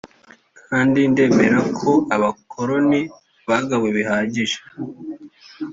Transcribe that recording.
kandi ndemera ko Abakoloni bagawe bihagije